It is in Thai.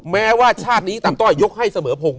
แม้ว่าชาตินี้ตามต้อยยกให้เสมอพงศ